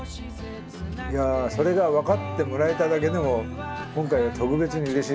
いやそれが分かってもらえただけでも今回は特別にうれしいですね。